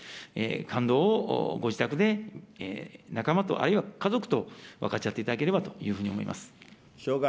感動をご自宅で仲間と、あるいは家族と分かち合っていただければというふうに思います。